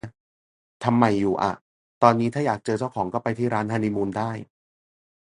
ทำใหม่อยู่อะ ตอนนี้ถ้าอยากเจอเจ้าของก็ไปที่ร้านฮันนีมูนได้